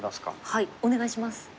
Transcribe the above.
はいお願いします。